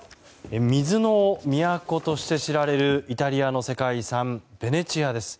水の都として知られるイタリアの世界遺産ベネチアです。